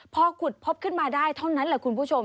พอขุดพบขึ้นมาได้เท่านั้นแหละคุณผู้ชม